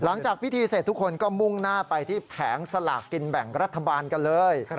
หลังจากพิธีเสร็จทุกคนก็มุ่งหน้าไปที่แผงสลากกินแบ่งรัฐบาลกันเลย